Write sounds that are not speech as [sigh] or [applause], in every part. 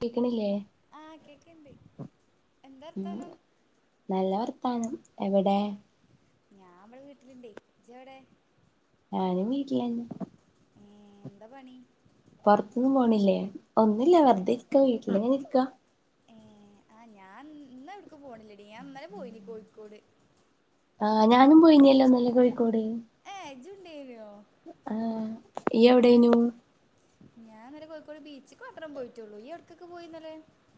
കേക്ക്ണില്ലേ ആ കേൾക്കുന്നുണ്ട് എന്താ ഉം വർത്താനം നല്ല വർത്താനം എവടെ ഏ ഞാൻ ഇവടാ വീട്ടിലിണ്ടെ ഇജ്ജ് എവിടെ ഞാനും വീട്ടിലന്നെ ഏ എന്താ പണി പൊറത്ത്ന്നും പോണില്ലേ ഒന്നില്ല വെറുതെ ഇരിക്ക വീട്ടിലിങ്ങനെ ഇരിക്കാ ഏ ആ ഞാൻ ഇന്നട്കും പോണില്ലടി ഞാൻ ഇന്നലെ പോയിനി കോഴിക്കോട് ആ ഞാനും പോയിനല്ലോ ഇന്നലെ കോഴിക്കോട് ഏഹ് ഇജ്ജ് ഉണ്ടേയിനോ ആഹ ഇയെവിടെനു ഞാൻ ഇന്നലെ കോഴിക്കോട് ബീച്ച്ക്ക് മാത്രം പോയിട്ടുള്ളു ഇയ്യ് എവിട്ക്ക്ക്കെ പോയിന്നലേ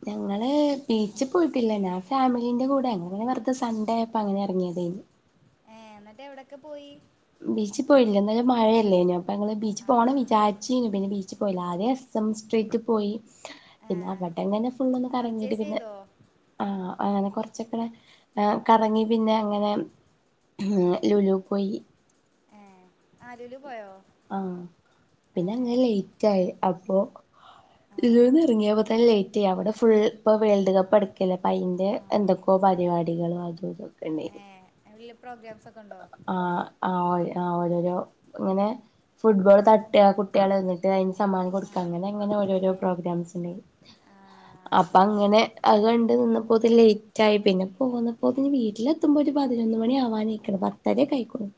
ഞങ്ങള് ബീച്ചിപോയിട്ടില്ല. ഞാൻ ഫാമിലിന്റെ കൂടെ അങ്ങനെ വെറുതെ സൺഡേയപ്പ അങ്ങനെ ഇറങ്ങിയതന് ഏ എന്നിട്ട് എവിടൊക്കെ പോയി ബീച്ചിൽ പോയില്ല ഇന്നലെ മഴയല്ലേന അപ്പൊ ങ്ങള് ബീച്ച് ആ പോകണം വിചാരിച്ചിരുന്നു പിന്നെ ബീച്ച പോയില്ല ആകെ എസ് എം സ്ട്രീറ്റ് പോയി ഏ പിന്നെ അവിടെങ്ങന്നെ ഫുളൊന്നു കറങ്ങീട്ട് പർച്ചേസ് പിന്നെ ചെയ്തോ ആഹ് അങ്ങനെ കൊറച്ചൊക്കെ കറങ്ങി പിന്നെ അങ്ങനെ ഉ ലുലു പോയി ഏ ആ ലൂല് പോയോ ആഹ ഏ പിന്നെ അങ്ങനെ ലേറ്റ് ആയി അപ്പൊ ആ ലുലുന്ന് ഇറങ്ങിയപ്പോ തന്നെ ലേറ്റ് ആയി അവിടെ ഫുൾ ഇപ്പ വേൾഡ് കപ്പ് നടാ നടക്കല്ലേ അയിന്റെ ആ എന്തൊക്കെയോ പരിപാടികളോ അതും ഇതും ഏ എന്തെങ്കിലും പ്രോഗ്രാംസ് ഒക്കെ ഉണ്ടോ ആഹ് ആഹ് ഓയ് ആഹ് ഓരോ ഇങ്ങനെ ഫുട്ബോൾ തട്ടുക കുട്ടികൾന്നിട്ട് അതിന് സമ്മാം ആ കൊടുക്കുക അങ്ങനെ അങ്ങനെ ഓരോരോ ഏ പ്രോഗ്രാംസ് ഉണ്ട ആ അപ്പൊ ശരി അങ്ങനെ അതുകണ്ട് നിന്നപ്പോത് ലേറ്റായി പിന്നെ പോന്നപ്പോത് വീട്ടിലെത്തുമ്പോ ഒരു പതിനൊന്ന് മണി ആവാനായി ഒരു പത്തരയൊക്കെയായികുണു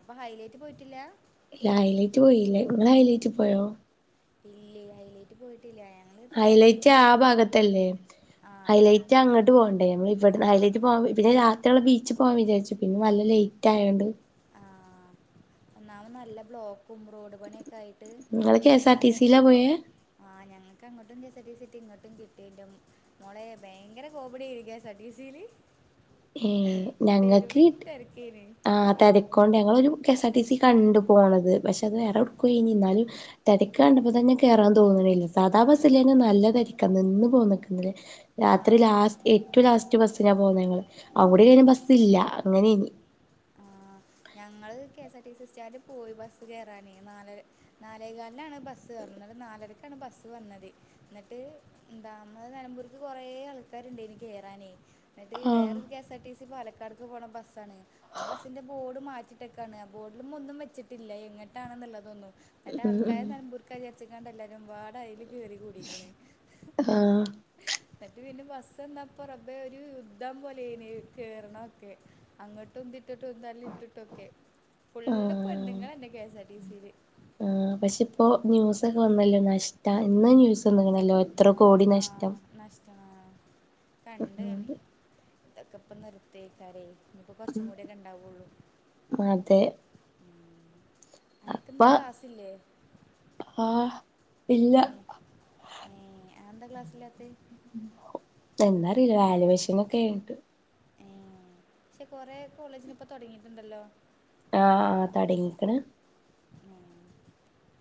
അപ്പം ഹൈലേറ്റ് പോയിട്ടില്ല ഇല്ല ഹൈലേറ്റ് പോയില്ലേ നിങ്ങൾ ഹൈലേറ്റ് പോയോ ഇല്ലേ ഹയ്ലേറ്റ് പോയിട്ടില്ല ഞാ ഹയ്ലേറ്റ് ആ ഭാഗത്തല്ലേ ആ ഹൈലൈറ്റ് അങ്ങോട്ട് പോകണ്ടേ നമ്മൾ ഇവിട ആ ഹൈലൈറ്റ് പോക പിന്നെ രാത്രി അടുത്തുള്ള ബീച്ച് പോവാാൻ വിചാരിച്ചു പിന്നെ നല്ല ലേറ്റ് ആയോണ്ട് ആഹ് ഒന്നാമത് നല്ല ബ്ലോ ക്കും റേഡ് പണിയൊക്കെ ആയിട്ട് നിങ്ങള് കെ എസ് ആർ എന്നാ ടി തന്നെ സിയിലാ പോയേ ആഹ് ഞങ്ങൾക്ക് അങ്ങോട്ടും K S R T C കിട്ടി ഇങ്ങോട്ടും കിട്ടി മോളേ ഭയങ്കര കോമഡിയായി കെ എസ് ആർ ടി സില് ഏഹ് ഞങ്ങക്ക് കിട്ടി തെരക്കീന്‌ ആഹ് തെരക്കോണ്ട് ഞങ്ങളൊരു K S R T C കണ്ടു പോണത്. പക്ഷെ അത് ആ വേറെ എവിടെക്കോ ഇനി എന്നാല് തെരക്ക് കണ്ട്പ്പോ തന്നെ കേറാൻ തോന്നണില്ല. സാധാ ആ ബസ്സില് തന്നെ നല്ല തെരക്കാ നിന്ന് പോന്നക്ക്ല്ലേ ആ രാത്രി ലാസ്റ്റ് ഏറ്റോം ലാസ്റ്റ് ബസ്സിനാ പോകുന്ന ഞങ്ങള്. അതുടെ ആ കഴിഞ്ഞ ആ ബസ്സില്ല അങ്ങനെനി ഞങ്ങള് K S R T C stand പോയി ബസ്സ് കേറാനേ നാലര നാലേകാലിനാണ് ബസ്സ് പറഞ്ഞത് എന്നിട്ട് നാലരക്കാണ് ബസ്സ് വന്നത്. എന്നിട്ട് എന്താ അന്ന് നെലമ്പൂർക്ക് കൊറേ ആൾക്കാരുണ്ടെയ്നി കേറാനി എന്നിട്ട് ആഹ് വേറൊരു K S R T C പാലക്കാട്ക്ക് പോണ ബസ്സാണ് ആ ബസ്സിന്റെ ഡ് മാറ്റിയിട്ടെക്കാണ്. ബോർഡിലും ഒന്നും വെച്ചിട്ടില്ല എങ്ങിട്ടാണുള്ളതൊന്നും എട ഉം ഉം ആൾക്കാര് നെലമ്പൂർക്ക് ക്ക വിചാരിച്ച്ക്കാണ്ട് എല്ലാരും വാടാ അയില് കേറി കൂടിക്കണ്. ആഹ് എന്നിട്ട് പിന്നെ ബസ് എന്നാപ്പൊറമ്പേ ഒരു യുദ്ധം പോലെയ്നി കേറണതൊക്കെ. അങ്ങട്ടുംന്തിട്ടിട്ടും ഒരു എന്തല്ല ഇട്ടിട്ടൊക്കെ ഫുള്ള പെണ്ണ്ങ്ങളന്നെ കെഎസ് ആർ ടി സി ല്. ആഹ് പക്ഷെ ഇപ്പോ ന്യൂസൊക്കെ വന്നല്ലോ നഷ്ട ഇന്ന് ന്യൂസ് വന്നിക്കണല്ലോ എത്ര കോടി നഷ്ടം നഷ്ടാ കണ്ട് കണ്ട് ഇതൊക്കെ ഇപ്പം നിർത്തിയേക്കാരേ ഇനിപ്പോ കുറച്ചും കൂടിയൊക്കെ ഇണ്ടാവൊള്ളൂ. അതെ ഇപ്പ അനക്കിന്ന് ക്ലാസ്സില്ലെ? ആ ഇല്ല ആന്താ ക്ലാസ്സില്ലാത്തെ? എന്താ അറിയില്ല വാലുവേഷനൊക്കായിട്ട്. ഉം പക്ഷെ കൊറേ കോളേജിനിപ്പം തൊടങ്ങിയിട്ടുണ്ടല്ലോ. ആഹ് ആഹ് തൊടങ്ങിക്കണ് [unintelligible]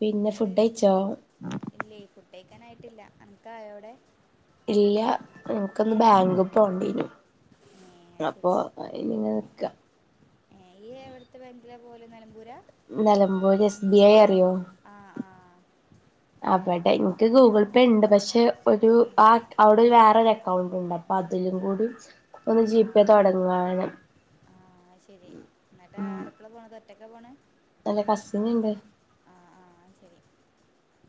പിന്നെ എന്നിട്ട് ഫുഡയിച്ചോ? ഇല്ലേ ഫുഡയിക്കാൻ ആയിട്ടില്ല. അനക്ക് ആയോ അവിടെ? ഇല്ല. എൻക്കൊന്ന് ബാങ്കീ ഏ, പോണ്ടീരും. അത് ശരി അപ്പൊ അതിനിങ്ങനെ നിക്ക. ഏഹ് ഈ എവിട്ത്തെ ബേങ്കിലാ പോവല്. നെലമ്പൂരാ? നെലമ്പോര് എസ് ബി ഐ അറിയോ? ആഹ് ആഹ് അവടെ എൻക്ക് ഗൂഗിൾ പേ ഇണ്ട്. പക്ഷെ ഒരു ആ അവിടെ വേറൊരു അക്കൗണ്ട്ണ്ടാക്കി. അതിലും കൂടി ഒന്ന് ആ ജീപേ തൊടങ്ങുവാനം. അയ്ശരി എന്നിട്ട് ആരൊപ്പളാ പോണത്? ഒറ്റക്ക പോണേ? ഇല്ല കസിന്ണ്ട്. ആഹ് ആഹ് ശരി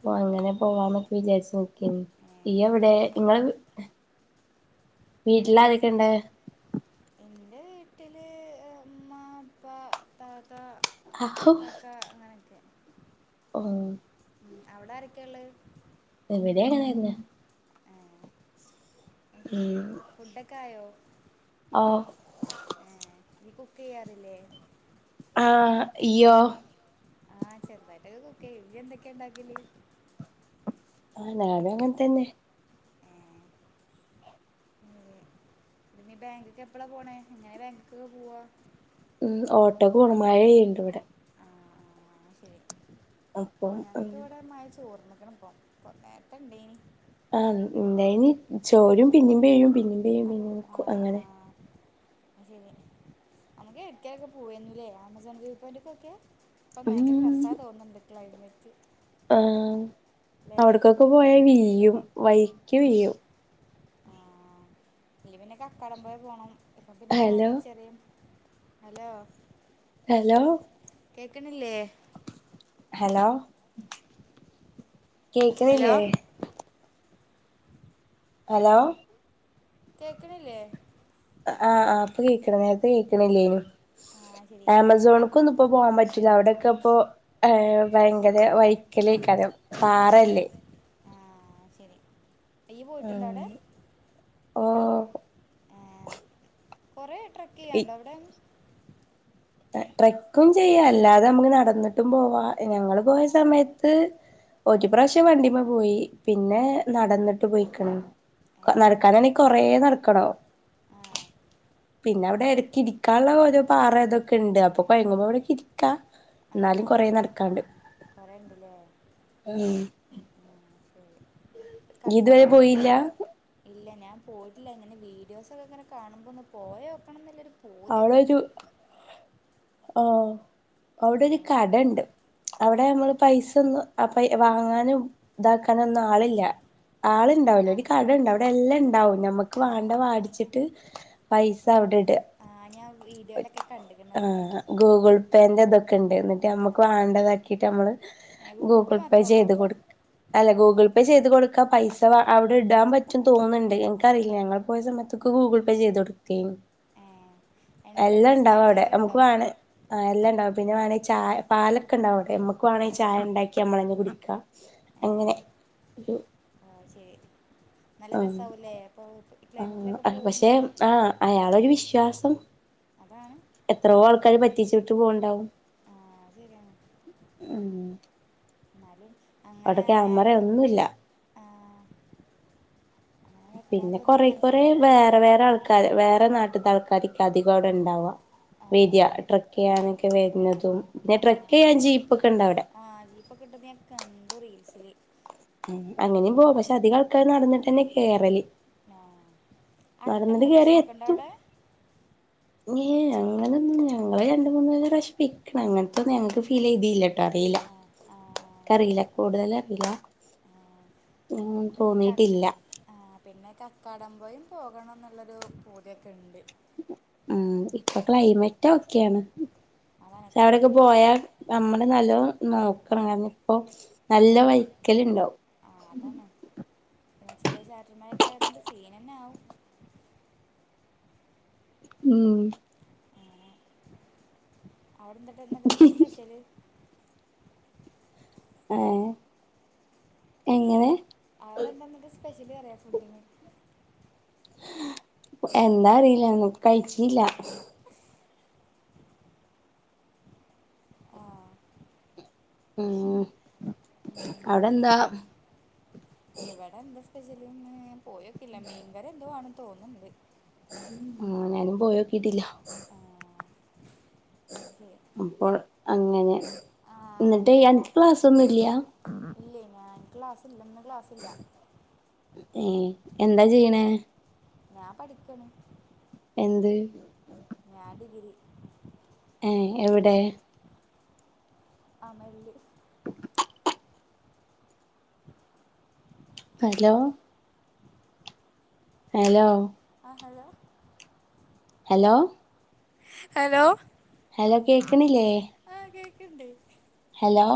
യോ അങ്ങനെ പോവാന്നൊക്കെ വിചാരിച്ച് നോക്കിന്. ഏ, ഈ എന്നിട്ട് എവിടെ? നിങ്ങളെ വീട്ടിലാരൊക്കെണ്ട്? എന്റെ വീട്ടില് ഉമ്മ, ഉപ്പ താത്ത, അഹു കാക്ക അങ്ങനെയൊക്കെ. ഓഹ് ഉം അവിടെ ആരൊക്കെയൊള്ള്? ഇവിടെ അങ്ങനെ തന്നെ അയ്ശരി ഫുഡൊക്കെ ആയോ? ആഹ് ഏ നീ കുക്ക് ചെയ്യാറില്ലേ ആഹ് ഇയോ ആഹ് ചെുതായിട്ടൊക്കെ കുക്ക് ചെയ്യും ഇയ്യ് എന്തൊക്കെ ഉണ്ടാക്കല് ആഹ് ഞാനും അങ്ങനെ തന്നെ ഉം ഇനി ബേങ്ക്ക്ക് എപ്പളാ പോണേ എങ്ങനെ ബേങ്ക് ക്ക് പോവാ ഉം ഓട്ടോക്ക് പോണം മഴ പെയ്ണ്ട് ഇവിടെ [unintelligible] ഓഹ് അപ്പം ഞങ്ങക്ക് ഇവിടെ മഴ ചോർന്ന്ക്കണ് പ്പം നേരത്തെ ഇണ്ടേനി ആഹ ഇണ്ടായീനി ആ ചോരും പിന്നി പെയ്യും പിന്നി പെയ്യും ആ പിന്ന നിക്കും അങ്ങനെ ഉം നമുക്ക് എടുക്കെ ഒക്കെ പോവേ ന്നുല്ലേ ആമസോൺ വീ പോഎൻ്റ് ക്കെ ഒക്കെ ഇപ്പം ഭയങ്കര ഉം രസാ തോന്നുന്നുണ്ട് ക്ലൈമേറ്റ് ആ അവിടക്കൊക്കെ പോയാൽ വീഴും വഴുക്കി വീഴും ആ ഇല്ല പിന്നെ കക്കാടം പോയ പോണം ഇപ്പൊ പിന്നെ ഹലോ മഴൊക്കെ ചെറിയ ഹലോ ഹലോ കേക്കണില്ലേ ഹലോ ഹലോ കേക്കണില്ലേ ഹലോ കേൾക്കണില്ലേ ആഹ് ആഹ് ഇപ്പൊ കേക്ക്ണ് നേരത്തെ കേക്കണില്ലേനു ആ ശരി ക- ആമസോണ്ക്കൊന്ന് ഇപ്പൊ പോകാൻ പറ്റൂല്ല അവിടെഒ ക്കെ ഇപ്പോ ഭയങ്കര വഴക്കലക്കലേകാരം പാറല്ലേ ആഹ് ശെരി ഇയ്യ് പോയിട്ടുണ്ടോ ഉം അവിടെ ഓഹ് ആ കൊറെ ട്രക്ക് ചെയ്യണ്ടോ അവിടെ ട്രക്കും ചെയ്യാ അല്ലാതെ നമുക്ക് നടന്നിട്ടും പോവാ ഞങ്ങള് പോയ സമയത്ത് ഒരു പ്രാവശ്യം വണ്ടിമ്മേ പോയി പിന്നെ നടന്നിട്ട് പോയിക്കണ് ഏഹ് നടക്കാനാണേ കൊറേ നടക്കണം ആഹ് പിന്നെ അവിടെ കൊ ഇടയ്ക്കിരിക്കാനുള്ള ഓരോ പാറ തൊക്കെ ഉണ്ട് അപ്പൊ കൊഴങ്ങുമ്പോ അവിടെക്ക ഇരിക്കാ എന്നാലും കുറ നടക്കാണ്ട് കുറെ ഉണ്ടല്ലേ ഉം ഇയ്യ് ഇതുവരെ കക്കാടംപുഴേൽ പോയില്ല ഇല്ല ഞാൻ പോയിട്ടില്ല ഇങ്ങനെ വീഡിയോസൊക്കെ ഇങ്ങനെ കാണുമ്പോന്ന് പോയോക്കണംന്ന്ല്ലോര് അവിടെ ഒരു ആഹ് അവിടെ ഒരു ആഹ് കടണ്ട് അവ്ടെ ആഹ് ഞമ്മള് പൈസൊന്നും അപെയ് വാങ്ങാനും ഇതാക്കാനൊന്നും ആളില്ല. ആഹ് ആൾണ്ടാവൂല ഒര് ആഹ് കടണ്ട് അവിടെ എല്ലാണ്ടാവും ഞമ്മക്ക് വാണ്ട ആഹ് വാട്ചിട്ട് പൈസ ഔടെ ഇട ആ ഞാൻ വീഡിയോയിലൊക്കെ കണ്ട് കന് അത് ആഹ് ഗൂഗിൾ പേന്റെ ഇതൊക്കെണ്ട് ഇന്ന്ട്ട് ഞമ്മക്ക് ആഹ് വേണ്ടതാക്കിട്ട് ഞമ്മള്. ഏഹ് ഗൂഗിൾ പേ മാത്രേ ഒള്ളോ ചെയ്ത് കൊട്ക് അല്ല ഗൂഗിൾ പേ ചെയ്ത് കൊടുക്കാ പൈസ വ ഔടെ ഇടാൻ പറ്റും തോന്ന്ണ്ട് ഇൻക്കറിയില്ല ഞങ്ങൾ പോയ സമയത്തൊ ഗൂഗിൾ പേ ചെയ്ത കൊടുക്കെനി ഏഹ് എണ്ണക്കടിയും എല്ലാണ്ടാവു സ്നാക്സ് ഔടെ എല്ലാം ന്നമുക്ക് ഉണ്ടോ വാണേ എല്ലാം ണ്ടാവും പിന്നെ വേണേ ചായ പാലൊക്കെണ്ട് അവിടെ നമുക്ക് വേണേ ചായണ്ടാക്കി നമ്മളന്നെ കുടിക്കാം അങ്ങനെ ഒരു ആ ശരി നല്ല ആ രസവുംല്ലേ അപ്പൊ ഈ ക്ലൈമറ്റിലൊക്കെ ആ പക്ഷെ പോകുമ്പോ ആ അയാളൊരു വിശ്വാസം. അതാണ്. എത്രയോ ആൾക്കാര് പറ്റിച്ചിട്ട് പോവ്ണ്ടാവും. ആ ശരിയാണ് ഉം ന്നാലും അങ്ങനെ അവിടെ ക്യാമറ ആയാല്. ഒന്നുല്ല ആ അങ്ങനെ വെക്കാൻ പിന്നെ തോന്നിയൊരു കൊറെ കുറെ മനസ്സിലേ വേറെ വേറെ ആൾക്കാര് വേറെ നാട്ടിത്തെ ആൾക്കാരോക്കെ അധികം അവിടെ ണ്ടാവാ. ആ വൊര ട്രക്ക് ആ ചെയ്യാനൊക്കെ വരുന്നതും പിന്നെ ട്രക്ക് ചെയ്യാൻ ജീപ്പ് ഒക്കെ ഉണ്ട് അവിടെ ആഹ് ജീപ്പൊക്ക്ണ്ട്ന്ന് ഞാൻ കണ്ടു റീൽസില്. ആ അങ്ങനെയും പോവാ പക്ഷെ അധികം ആൾക്കാർ നടന്നിട്ടന്നെ കേറല്. ആഹ് നടന്നിട്ട് അട്ടന്റെ പ്രശ്നമൊക്കെ ഒണ്ടോ അവിടെ. ങോ അങ്ങനെന്നും ഞങ്ങള് രണ്ട് മൂന്ന് പ്രാവശ്യം പോയിക്ക്ണ് അങ്ങനത്തെന്നുംഞങ്ങക്ക് ഫീൽ എഴുതിയില്ലട്ടോ അറിയില്ല. ആ ആ ആ അറിയില്ല കൂടുതല് അറിയില്ല. ആ ഞാൻ പിന്നെ ക തോന്നിയിട്ടില്ല ആ പിന്നെ കക്കാടമ്പയും പോകണം എന്നുള്ളൊരു പൂതി യൊ ക്കെ ഉണ്ട്. ആഹ് ഇപ്പൊ ക്ലൈമറ്റോക്കെയാണ് അതാണ് അവിടൊയോക്കെ ക്ലൈമറ്റും പോയാ. നമ്മുടെ നല്ലോ നോക്കണം കാരണം ഇപ്പൊ നല്ല വൈക്കല് ഉണ്ടാവും. ആ അതാണ് പിന്നെ ചെറിയ ചാറ്റൽ മാഴൊക്കെ നല്ല സീൻന്നെ ആകും. ഉം അവിടെന്തട്ടത് എന്താ സ്പെഷ്യല്. ആഹ എങ്ങനെ അവിടെ എന്താെന്നുക്ക് സ്പെഷ്യലി പറിയം ഫുഡിന്. എന്താ അറിയില്ല ഞങ്ങള് കഴിച്ചില്ല ആഹ് ഉം അവിടെന്താ ഇവടെന്താ സ്പെഷല്ന്ന് പോയൊക്കില്ല മീൻങ്കറി എന്തോവാണ് തോന്ന്ണ്ട്. ആ ഞാനും പോയോക്കീട്ടില്ല. ഉ അപ്പോൾ അങ്ങനെ ഇന്നിട്ടെയ് അനക്ക് ക്ലാസ്സോന്നു ഇല്ല്യാ? ഇല്ലേയ് ഞാൻ ക്ലാസ്സില്ല ഇന്ന് ക്ലാസ്സില്ല. ഏഹ് എന്താ ഉം. ചെയ്യണേ? ഞാൻ പഠിക്കണ്. എന്ത് ഞാൻ ഡിഗ്രി ഏഹ് എവിടെ അമ്മേല്. ഹലോ? ഹലോ? ആ ഹലോ? ഹലോ? അലോ? ഹലോ കേക്ക്ണില്ലേ? ആഹ് കേക്ക്ണ്ട്. ഹലോ?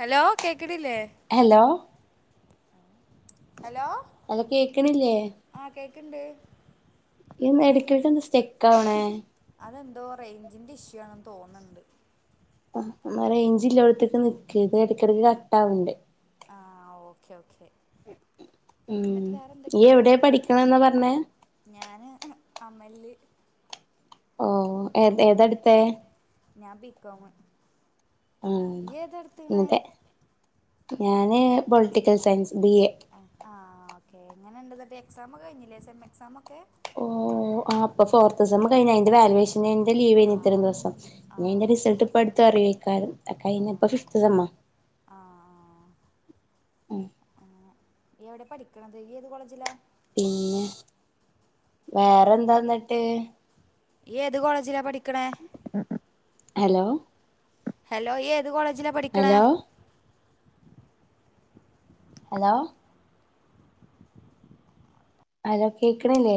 ഹലോ കേക്ക്ണില്ലേ? ഹലോ? ഹലോ? ഹലോ? കേക്ക്ണില്ലേ? ആഹ് കേക്ക്ണ്ട് ഇന്ന് എടുക്കിട്ട്ന്താ സ്റ്റെക്കാവണേ? അതെന്തോ റേയ്ഞ്ചിന്റെ ഇഷ്യൂണെന്ന് തോന്ന്ണ്ട്. [unintelligible] ഇടത്തേക്കെ നിക്ക് ഇത് ഇടക്കിടയ്ക്ക് കട്ട് ആവണ്ട് ആഹ് ഓക്കേ ഓക്കേ ഉം ഈയ്യ് എവിടെ പഠിക്കണ്ന്നാ പറഞ്ഞേ? ഞാന് അമല് ഓഹ് ഏഹ് ഉം ഏതടുത്തെ ഞാൻ ബിക്കോമ് ആഹ് [unintelligible] ഞാന് പൊളിറ്റിക്കൽ സയൻസ് ബി എ ആഹ് ഓക്കെ എങ്ങനെണ്ട് തന്റെ എക്സാം കഴിഞ്ഞില്ലേ സെം എക്സാം ഒക്കെ ഓഹ് ആഹ് ഇപ്പൊ ഉം ഫോർത്ത്സം കഴിഞ്ഞ് അയിന്റെ വാലുവേഷന്റെ ലീവെനി ആ ഇത്രയും ദിവസം. ആ [unintelligible] റിസൾട്ട്പ്പ അടുത്ത അറിവെക്കാലും അപ്പൊ [unintelligible] ഫിഫ്ത്ത് സെമ്മ ആഹ് ആഹ് ആഹ് ആഹ് ആഹ് ഉം ഈ എവിടെ പഠിക്കണത് ഈ ഏത് കോളേജിലാ പിന്നെ വേറെന്താന്നിട്ട്? ഈ ഏത് കോളേജിലാ പഠിക്കണേ ഹലോ ഹലോ ഇ ഏത് കോളേജില പഠിക്ക്ണേ? ഹലോ ഹലോ ഹലോ കേക്ക്ണില്ലേ